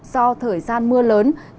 do thời gian mưa lớn trùng mưa có thể diễn ra